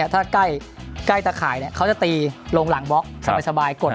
ถ้าใกล้ตะข่ายเขาจะตีลงหลังบล็อกสบายกด